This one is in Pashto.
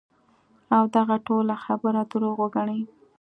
او دغه ټوله خبره دروغ وګڼی -